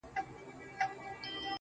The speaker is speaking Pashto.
o ولاكه مو په كار ده دا بې ننگه ككرۍ.